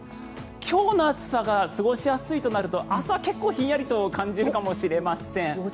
今日の暑さが過ごしやすいとなると明日は結構ひんやりと感じるかもしれません。